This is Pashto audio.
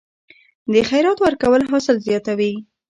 د خیرات ورکول حاصل زیاتوي؟